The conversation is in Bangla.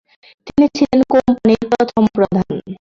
তিনি ছিলেন কোম্পানির প্রথম প্রধান।